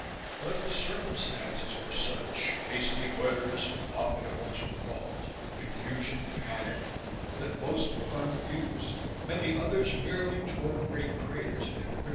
But the circumstances were such hasty orders, often at once recalled; confusion; panic that most were unfused, many others merely tore great craters in the quickly healing surface of the sea.